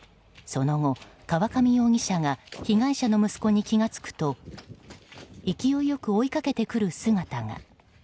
その後、河上容疑者が被害者の息子に気が付くと勢いよく追いかけてくる姿が。